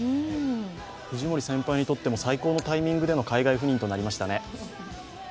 藤森先輩にとっても、最高のタイミングでの海外赴任となりましたね。